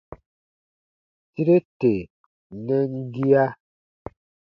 Tire tè nɛn gia.